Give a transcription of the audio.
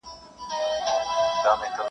خاموسي تر ټولو قوي ځواب دی,